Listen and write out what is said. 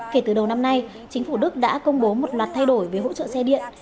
kể từ đầu năm nay chính phủ đức đã công bố một loạt thay đổi về hỗ trợ xe điện